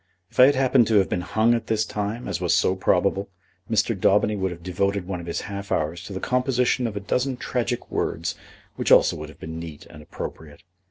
If I had happened to have been hung at this time, as was so probable, Mr. Daubeny would have devoted one of his half hours to the composition of a dozen tragic words which also would have been neat and appropriate.